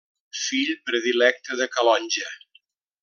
Fill predilecte de Calonge.